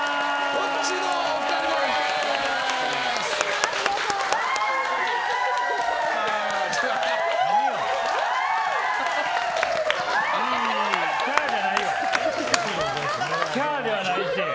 フーではないし。